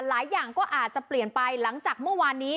หลายอย่างก็อาจจะเปลี่ยนไปหลังจากเมื่อวานนี้